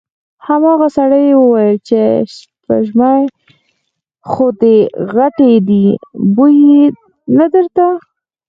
هماغه سړي وويل: سپږمې خو دې غټې دې، بوی يې نه درته؟